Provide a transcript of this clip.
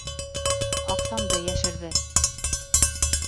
Аҡсамды йәшерҙе!